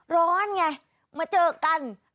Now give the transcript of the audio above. ร้อนไงมาเจอกัน